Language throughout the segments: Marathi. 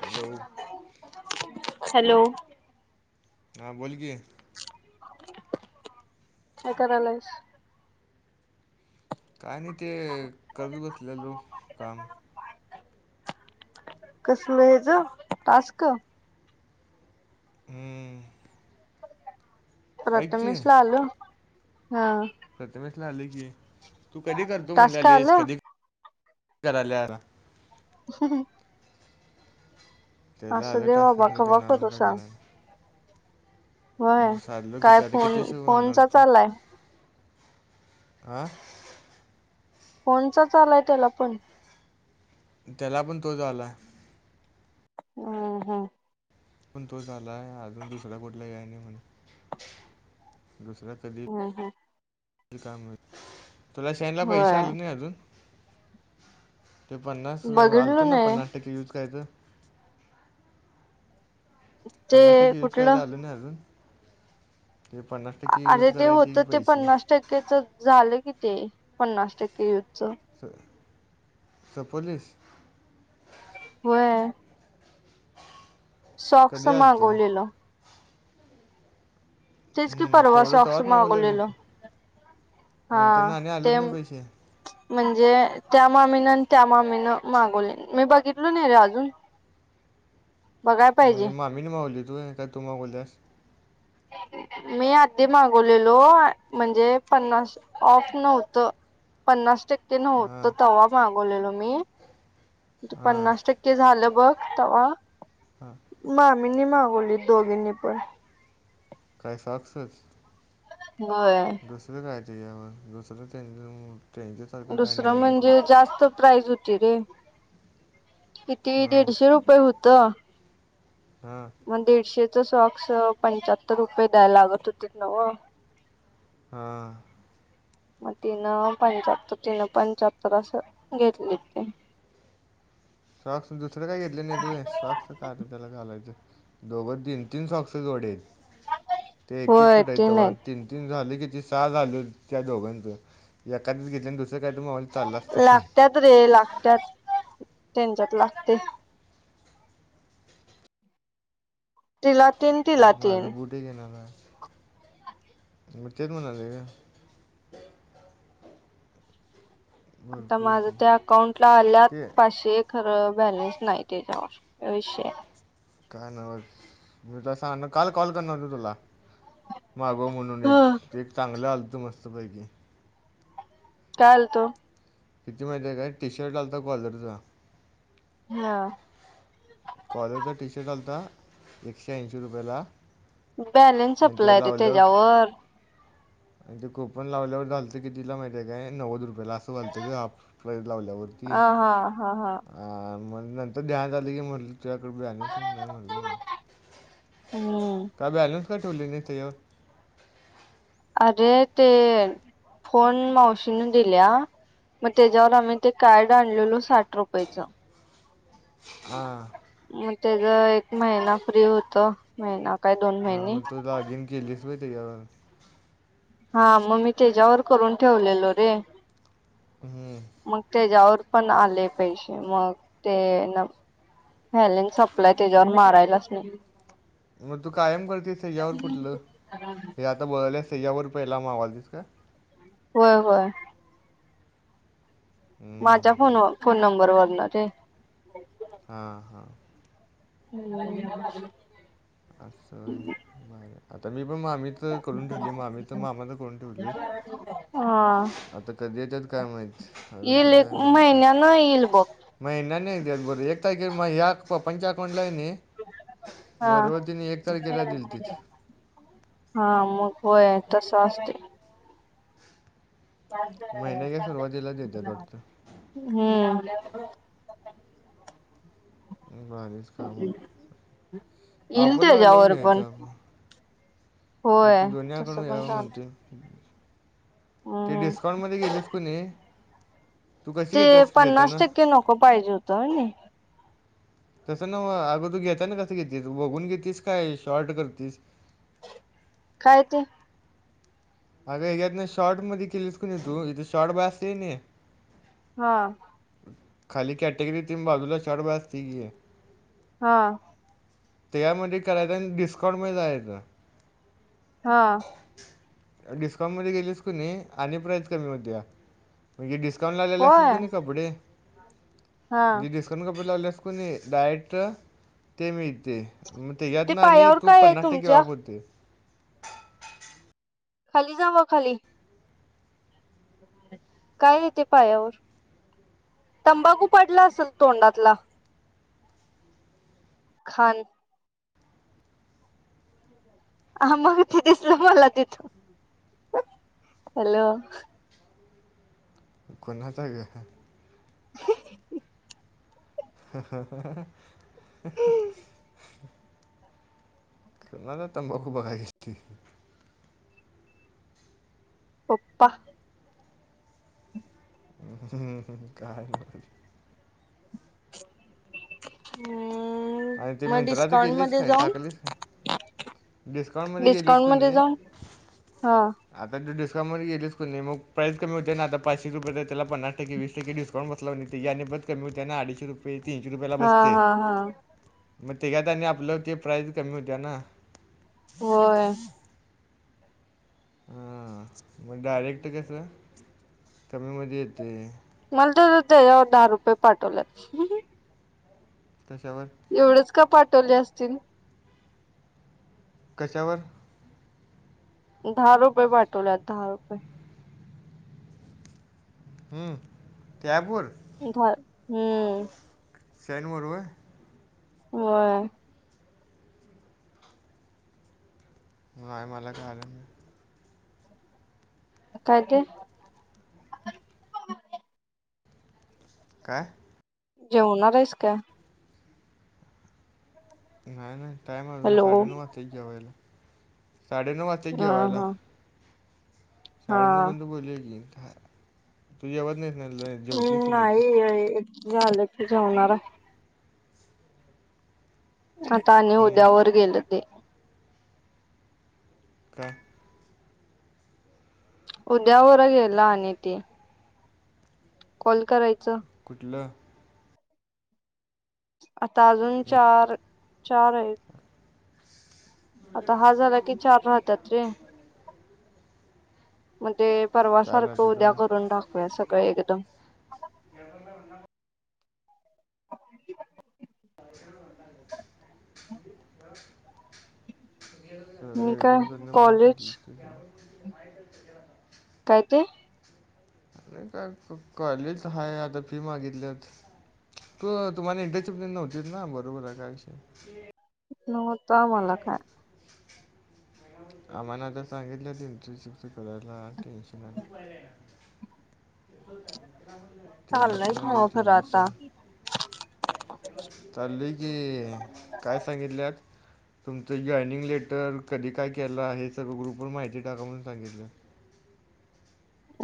हॅलो! हॅलो! हा बोल कि. काय करायलाय. काय नाही ते करत बसलेलो काम. कसलं हे टास्क? हम्म! ऐक की प्रथमेश ला आलं? हा प्रथमेश ला आले की, तू कधी करतो टास्क म्हणलेलेस आलं कधी करायलारस? ह ह! त्याला असू आले दे टास्क बाबा खरं कवा त्यांन अजून करू काय कराय सांग नाय. व्हय. साधलो काय किती आता फोन किती ष बनणार फोनचा तू? चालाय [inaudible] फोन चा आलाय त्याला पण, त्याला पण तोच आलाय. हम हा! पण तोच आलाय अजून दुसरा कोठला याय नाही म्हण. दुसरा कधी हम्म हम्म येतोय काय माहित ‌. तुला शेनला पैसे होय. आल नाही अजून? ते पन्नास आलत बघितलो ना नाही पन्नास टक्के युज कयचं ते पन्नास टक्के यूज काही कुठलं आलं नाही अजून, हे पन्नास टक्के यूज अरे ते करायचे होत की ते पैसे पन्नास टक्केच झालं कि ते, पन्नास टक्के युज. तर तर पलीिस. [unintelligible] वय ह! [unintelligible] सॉक्स मागवलेल. तेच कि परवा तेवढं सॉक्स तवाच मागवलेलं मागवलेल हा नंतर ना आणि आलंच ते नाही पैसे म्हणजे त्या मामीन आणि त्या मामीनं मागवले मी बघितल, नाही रे अजून. बघाय पाहिजे म्हणजे मा्मी मागवली तू काय तू मागवलीस. मी आधी मागवलेलो म्हणजे पन्नास ऑफ नव्हत, पन्नास टक्के नव्हत हां तवा्हा मागवलेलो मी हां पन्नास टक्के झालं बघ तव्हा हां मामी नी मागवले, दोघिनी पण क्रयसॉकसस हो दुसरं काय ते मग दुसरं ट्रेनचे ट्रेनचे, दुसरं म्हणजे जास्त प्राईज होती रे किती हां दीडशे रुपये पय होतं, हां मग दीडशे च सॉक्स पंचाहत्तर रुपये द्यायला लागत होते नव्ह हा मग तीन पंच्याहत्तर तीन पंच्याहत्तर असं घेतले ते सॉक्स दुसरं काय घेतले नाही सॉक्स का त्याला घालायचं दोघं तीन तीन सॉक्स जोडे आहेत ते एक एक होय कुठ ते तेव्हा नाही तीन तीन झाले किती सहा झाले त्या दोघांचं एखादच घेतलं आणि दुसरं काय तर चालला असतं की लागत्यात रे लागतत त्यांच्यात लागते तिला तीन तिला तीन ते घेणारे तेच म्हणालो आता भरपूर माझं होते त्या अकाउंट ला आल्यात ते पाचशेएक खरं बॅलेन्स नाही ते तवा का विषय काय नव मी तसं आणणार काल कॉल करणार, तुला मागोव म्हणून हा एक ते एक चांगलं आलंतं मस्तपैकी कालतो किती माहिती आहे काय टी शर्ट आलता कॉलरचा हा कॉलरचा टी शर्ट आलता एकशे ऐंशी रुपयाला बॅलेन्स आणि ते सप्लाय रे लावल्यावर त्याच्यावर आणि ते कोपण लावल्यावर झालं क तिला माहिती आहे काय नव्वद रुपयाला असं वाटलतं क हाफ प्ईज लावल्यावर अ -हा हा हा ह म्हण नंतर ध्यान आले की म्हटलं तुझ्याकड बणे तर नाही म्हटलं हम्म का बॅलेन् का ठेवले नाही त्याच्यावर अरे ते फोन मावशीने दिल्या मग त्याच्यावर आम्ही ते कार्ड आणलेलो साठ रुपयेचं हा मग त्याचा एक महिना फ्री होत महिना काय दोन हां, महिने मग तू लॉगिन, केलीस वय त्याच्यावर हा मग मी त्याच्यावर करून ठेवलेलो रे. हे मग त्याच्यावर पण आले पैशे मग ते न बॅलन्स संपलाय त्याच्यावर मारायलाच नाय. मग तू कायम करतेस तेज्यावर कुठलं, हे आता बोलाले तेज्यावर पहिला मावाल दिसतं. होव- होव. हं, माझ्या फोनव फोन नंबर वरन रे. हा-हा. हम्म. असं होय बरं. आता मी पण मामी तर करून ठेवली आम्ही तर मामानं करून ठेवलीय. हा आता कधी येतात काय माहित. ईल एक महिन्या नं ईल बघ. म यंदा नय हे घरभर येता कि मग या पं पंच अकाउंट लाई ने हा. दिलतीत. हा, मग व्हय तस असते. महिन्याच्या सुरुवातीला देत्यात वाटतं. हम्म. भारीच काम हे, येईल ऑफरला आलंय त्याच्यावर पण घ्यायचं होय इथे दोन्ही या कडून तसं पण घ्यावं चालत म्हणतेय. हम्म ते हम्म डिस्काउंट मध्ये गेलंस कनी? ते पन्नास टक्के नको पाहिजे होतं हो नि. तसं न्हवं अगं तू घेता ना कसं घेतीस, बघून घेतीस काय शॉर्ट करतीस? काय ते? अग ह्यातन शॉर्ट मध्ये केलीस कनी तु, इथे शॉर्ट बाय असतय नी. हा. खाली कॅटेगरी येती अन बाजूला शॉर्ट बाय असतंय कि. हा. त्याच्या मध्ये करायचं आन डिस्काउंट मध्ये जायाचं. हा. डिस्काउंट मध्ये गेलीस कणी आणि प्राईस कमी होत्या. म्हणजे डिस्काउंट लावलेली असतात होय कनी कपडे हा डिस्क कमी कपडे लावल्यास कनी, डायरेक्ट ते मिळते. ते त्याच्यातन आणि पायावर तू काय आहे पन्नास टक्के तुमच्या ऑफ होते. खाली जा म खाली. काय हे ते पायावर? तंबाखू पडला असेल तोंडातला. खान हा मग ते दिसले मला तिथे. हॅलो. कुणाचा हे गं? [inaudible] [unintelligible] कुणाचा तंबाखू बघाय गेलतीस? पप्पा [unintelligible] हम्म्म्म. आणि ते मिन्ट्रात केलीस काय, टाकलीस काय? डिस्काउंट मध्यें गेलीस डिस्काउंट कणी. मध्ये जाऊन हा आंता ते डस्काउंटमध्ये गेलीस कणी मंग प्राईस कमी होत्यां नां आंता पाचशे रुपयाचं आहे त्यांला पन्नांस टक्के वीस टक्के डिस्क स्काउंट बसलां कणी त्यांची आणि परंत कमी होत्यां नां अडीचशे रुपये तीनशे रुपयांला हा बसते. हा हा मंग तेच्यांत आणि आपलं ते प्राईज कमी होत्यां नां. होयं हम्मं मंग डायरेक्ट कसं कांहींमध्यें येतंय. मलां तेवढं त्यांच्यावर दहा रुपये पाठवल्यांत. कशांवरं. एवढंच कां पाठवले असतील. कशांवरं. दहा रुपये पाठवल्यांत दहा रुपये. हम्मं त्यां ॲपवरं. इथंवांर हम्मं. ते आहे कां बरोबर होयं बाई मलां कळालं नाहीं कायं ते कायं जेवणांर आहेसं कायं. नाहीं नाहीं टाईम अजूंन हॅलो साडेनऊ वाजतील ते एक घेऊं यांयला साडेनऊ वाजतील ते एक हा घेऊं यांयला. हा हा साडेनऊ पर्यंत बोलली आहे की तूं येवतं नाहींस नाहीं. हम्मं नाहीं झालं की जेवणांर आहे आंता आलं ते हं, उद्यांवरं गेलं ते. हम्मं. उद्यांवरं गेलं आणि ते. कॉल करायचं. कुठलं. आंता अजूंन चार चार आहेतं. आंता हां झालां की चार राहतांत रे. म्हणजे चार परवांसारखं वाजता उद्यां तर करूंन टाकूंया सगळं एकदंम. याचं कायं म्हणणं आहे हां सगळं मी काय एकदंम करणं पणं कॉलेज गलं. कायं ते. नाहीं कायं कॉलेच हांय आंता फी मागितंली होती. तूं तुम्हांला इंटरचप नव्हतीच नां बरोबर आहे कायं. नव्हतं आं मलां कायं. आम्हांने आंता सांगितलं इंटरशिप करांयला टेन्शन आहे. हं. टेन्शन मग लीलावती खरं आता. टेन्शन. चालली की कायं सांगितले. तुमचं जॉइनिंग लेटर कधीं कायं केलं हे सगळं ग्रुप वरं माहिती टाकां म्हूंन सांगितलं.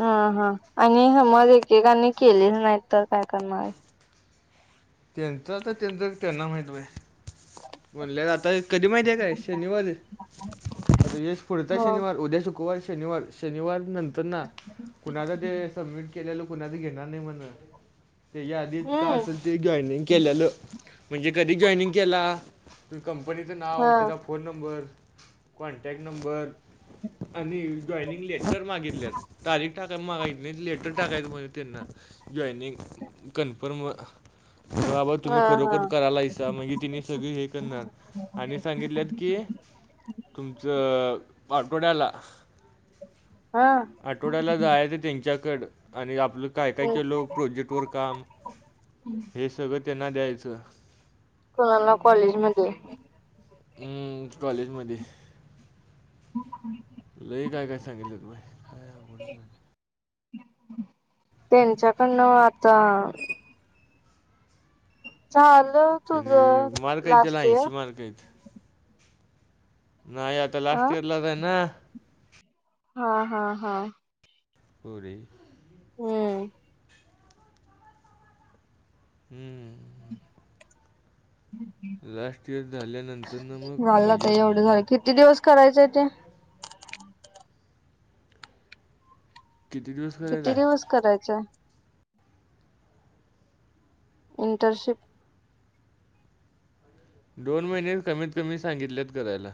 हम्मं हां हां आणि समजा एकेकांनी केलेचं नाहीं तरं कायं करणारे. त्यांचं आं त्यांचं त्यांना माहिती म्हणलं आंता एक. कधीं माहिती आहे कायं शनिवार येश फडतं हो शनिवार उद्यां शुक्रवार शनिवार. शनिवार नंतर ना कुणाला ते सबमिट केलेलं कुणाला घेणार नाही म्हण. त्याच्या आधी का हम्म असेल ते जॉईनिंग केलेलं म्हणजे कधी जॉईनिंग केला? तुझ कंपनीचं हा नाव, त्याचा फोन नंबर, कॉन्टॅक्ट नंबर आणि जॉइनिंग लेटर मागितल्यात तारीख टाकाय माग इ लेटर टाकाय म्हणजे त्यांना जॉईनिंग कन्फर्र्म बाबा हा तुम्ही हा खरोखर करायला हसा मग तिने सगळे हे करणार. आणि सांगितलेत की तुमचं आठवड्याला हा. आठवड्याला जायच त्यांच्याकड आणि आपलं काय काय हम्म केलं प्रोजेक्टवर काम. हे सगळं त्यांना द्यायचं कोणाला कॉलेजमध्ये हम्म कॉलेजमध्ये हो. [unintelligible] लई काय काय सांगितलंय व्हय. त्यांच्याकडनं आता झालं तुझ लास्ट इयर. करगत. [unintelligible] नाही आता अ लास्ट इयरलाच आहे ना. हा हा हा पुरी होय हम्म.. लास्ट इयर झाल्यानंतर ना मग झालं आता मज्जाच एवढं झालं मजा किती दिवस करायचे ते किती दिवस? करायचा किती आहे दिवस करायचे आहे? इंटरशिप दोन महिने कमीत कमी सांगितलेत करायला.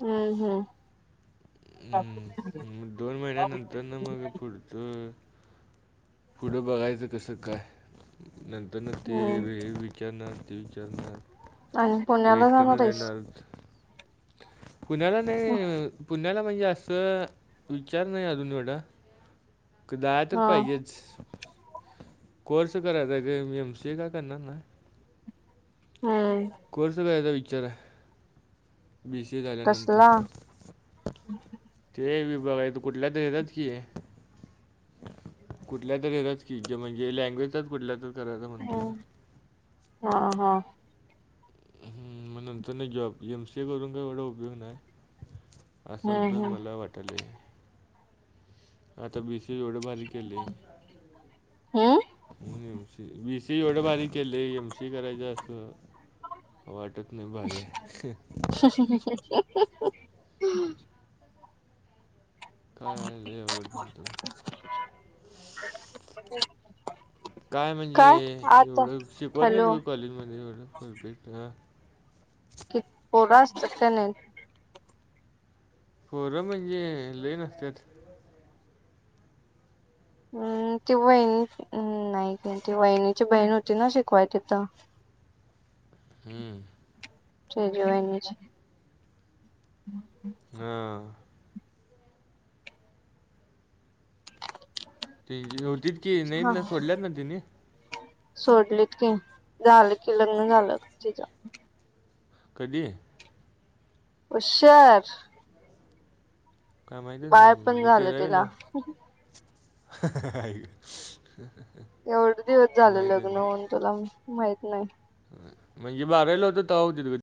हो हो हम्म [unintelligible] मग दोन महिन्यानंतर ना मग पुढचं पुढं बघायचं कसं काय नंतर न ते वेळ हम्म होईल. विचारणार ते विचारणार आणि तो पुण्याला जाणार एक्स्टनर आहेस? येणार. कुण्याला नाही पुण्याला म्हणजे असं विचार नाही अजून एवढा कदाय तर पाहिजे. [inaudible] कोर्स करायचा का मी एम सी का करणार ना हाय कोर्स करायचा विचार आहे बी सी ए झाल्यानंतर कसला? ते विभाग आहे कुठल्या तर येतात की कुठल्या तरी रच कीज म्हणजे लँग्वेततच कुठल्या तर करायच म्हणतो ना हम्म हा हा हम् मग नंतर नाही जॉब एमसी ए करून काही एवढा उपयोग नाही. हम्म असंद्दल हम्म मला वाटेल आता बी सी ए एवढे भारी केल. हम्म [unintelligible] बी सी एवढ भारी केलय. एमशी करायच अस वाटत नाही भाारी आहे [inaudible] ह [inaudible] [inaudible] काय लय अवघड झालते व्हय [inaudible] काय म्हणजे एवढ शिकवत नाही हॅलो तुझ्या कॉलेज मध्ये एवढ फुल स्पीड अ कि पोर असतात का नाही पोर म्हणजे लई नसतात हम् ती वहिणी नाही का ती वहिणीची बहीण होती ना शिकवाय तिथ [inaudible] हम्म तेजु वहीनीची ह हं हां होतीत की नाहीत ना सोडल्यात ना तिने सोडलेत की झाल की लग्न झाल तिच कधी उशीर काय माहितीच बाळ नाही पण मी ते झालं रावील तिला [inaudible] एवढं दिवस झाले लग्न होऊन तुला माहित नाही म्हणजे बारावीला होत तव्हा होते तु